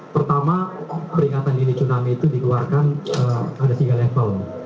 pertama peringatan dini tsunami itu dikeluarkan ada tiga level